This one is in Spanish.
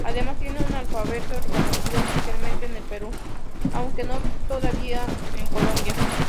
Además tiene un alfabeto reconocido oficialmente en el Perú, aunque no todavía en Colombia.